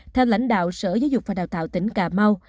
theo lãnh đạo sở giáo dục và đào tạo tỉnh cà mau